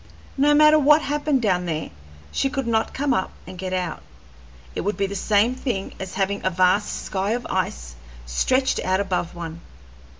No matter what happened down there, she could not come up and get out; it would be the same thing as having a vast sky of ice stretched out above one.